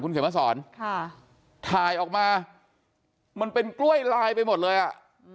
เขียนมาสอนค่ะถ่ายออกมามันเป็นกล้วยลายไปหมดเลยอ่ะ